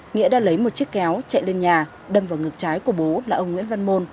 nghĩa đã lấy một chiếc kéo chạy lên nhà đâm vào ngực trái của bố là ông nguyễn văn môn